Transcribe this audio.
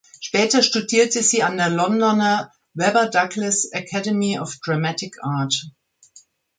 Später studierte sie an der Londoner "Webber Douglas Academy of Dramatic Art".